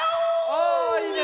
おっいいね！